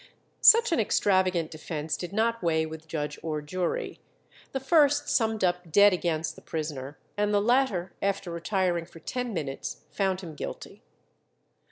Such an extravagant defence did not weigh with judge or jury; the first summed up dead against the prisoner, and the latter, after retiring for ten minutes, found him guilty.